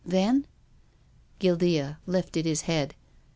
" Then ?" Guildea lifted his head.